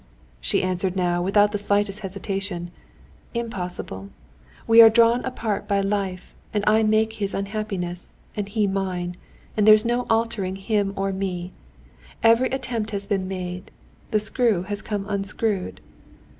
she answered now without the slightest hesitation. "Impossible! We are drawn apart by life, and I make his unhappiness, and he mine, and there's no altering him or me. Every attempt has been made, the screw has come unscrewed.